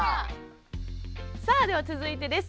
さあでは続いてです。